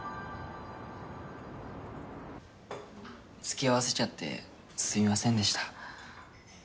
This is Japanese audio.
つきあわせちゃってすみませんでした。